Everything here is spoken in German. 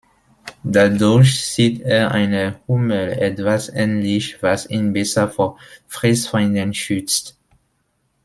Dadurch sieht er einer Hummel etwas ähnlich, was ihn besser vor Fressfeinden schützt.